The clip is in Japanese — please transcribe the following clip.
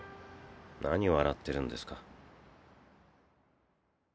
何笑ってるんですか？